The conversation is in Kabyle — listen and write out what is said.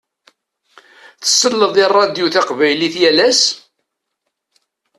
Tselleḍ i ṛṛadio taqbaylit yal ass?